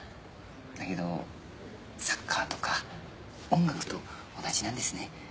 だけどサッカーとか音楽と同じなんですね。